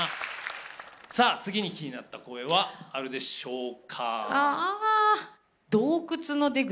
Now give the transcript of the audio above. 次に気になった声はあるでしょうか？